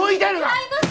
違います！